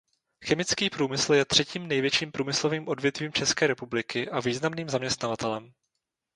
Chemický průmysl je třetím největším průmyslovým odvětvím České republiky a významným zaměstnavatelem.